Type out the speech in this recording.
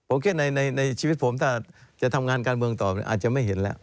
โอเคในชีวิตผมถ้าจะทำงานการเมืองต่ออาจจะไม่เห็นแล้ว